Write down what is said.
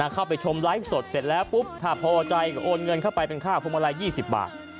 เข้าไปชมไลฟ์สดเสร็จแล้วผักโพอใจโอนเงินเข้าไปเป็นข้ากับพวงมาลัย๒๐บาท